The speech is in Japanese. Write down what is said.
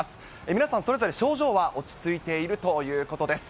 皆さん、それぞれ症状は落ち着いているということです。